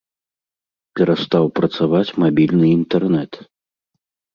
Перастаў працаваць мабільны інтэрнэт.